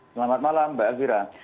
selamat malam mbak azira